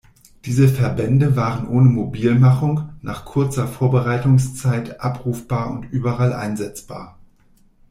Diese Verbände waren ohne Mobilmachung, nach kurzer Vorbereitungszeit abrufbar und überall einsetzbar.